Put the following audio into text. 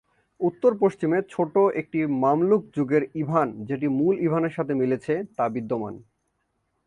উত্তর-পশ্চিমে, একটি ছোট মামলুক-যুগের "ইভান" যেটি মূল ইভা"নের" সাথে মিলেছে তা বিদ্যমান।